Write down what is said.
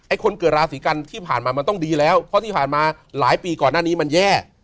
คนเกิดราศีกันที่ผ่านมามันต้องดีแล้วเพราะที่ผ่านมาหลายปีก่อนหน้านี้มันแย่